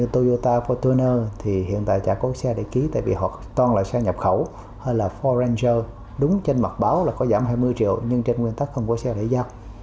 toàn là xe nhập khẩu hay là ford ranger đúng trên mặt báo là có giảm hai mươi triệu nhưng trên nguyên tắc không có xe để giao